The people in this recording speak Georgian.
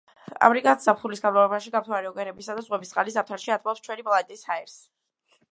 ამრიგად, ზაფხულის განმავლობაში გამთბარი ოკეანეებისა და ზღვების წყალი ზამთარში ათბობს ჩვენი პლანეტის ჰაერს.